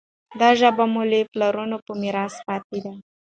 دا ژبه مو له پلرونو په میراث پاتې ده.